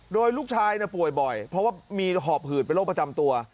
โดยลูกชายป่วยบ่อยเพราะว่ามีหอบหืดเป็นโรคประจำตัว